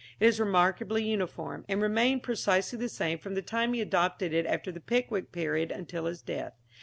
It is remarkably uniform, and remained precisely the same from the time he adopted it after the Pickwick period until his death.